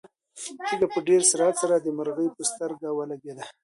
تیږه په ډېر سرعت سره د مرغۍ په سترګه ولګېده.